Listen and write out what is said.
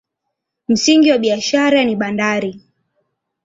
Msingi wa biashara ni bandari.